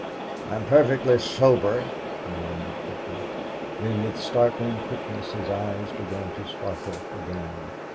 "I'm perfectly sober," he murmured thickly; then with startling quickness his eyes began to sparkle again.